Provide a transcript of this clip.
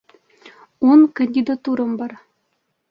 Ун кандидатурам бар.